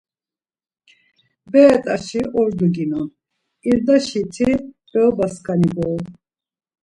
Bere t̆aşi ordu ginon, irdaşiti berobaskani gorum.